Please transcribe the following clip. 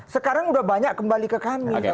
sekarang udah banyak kembali ke kami